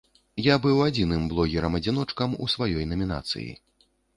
Я быў адзіным блогерам-адзіночкам у сваёй намінацыі.